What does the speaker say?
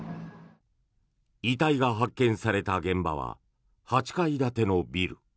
遺体が発見された現場は８階建てのビル。